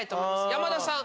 山田さん